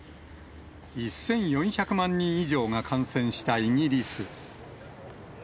１４００万人以上が感染したイギリス。